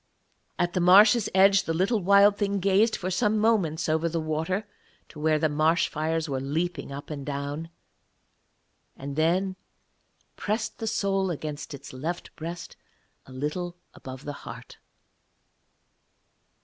At the marsh's edge the little Wild Thing gazed for some moments over the water to where the marsh fires were leaping up and down, and then pressed the soul against its left breast a little above the heart.